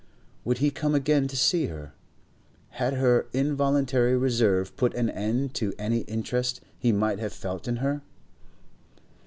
Would he come again to see her? Had her involuntary reserve put an end to any interest he might have felt in her?